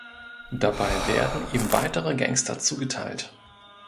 Dabei werden ihm weitere Gangster zugeteilt.